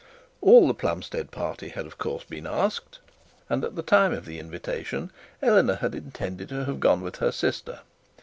All the Plumstead party had of course been asked, at the time of the invitation Eleanor had intended to have gone with her sister.